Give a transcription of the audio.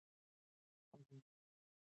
خپلواکي د هر ملت مسلم حق دی.